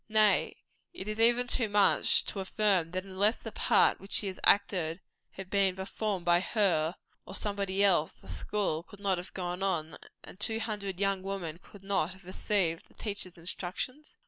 Nay, is it even too much to affirm that unless the part which she has acted had been performed by her or somebody else, the school could not have gone on, and two hundred young women could not have received the teacher's instructions?